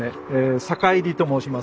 坂入と申します。